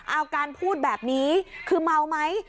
เอาการพูดแบบนี้คือเมาไหม